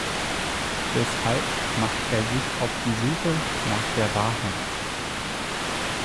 Deshalb macht er sich auf die Suche nach der Wahrheit.